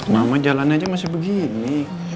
mama jalan aja masih begini